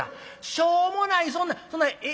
しょもないそんなそんな絵